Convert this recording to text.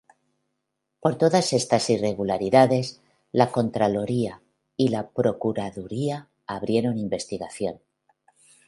Por todas estas irregularidades, la Contraloría y la Procuraduría abrieron investigación.